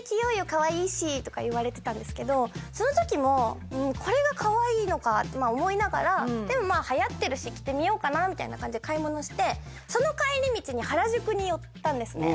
「カワイイし」とか言われてたんですけどその時も「これがカワイイのか」って思いながらでもはやってるし着てみようかなみたいな感じで買い物してその帰り道に原宿に寄ったんですね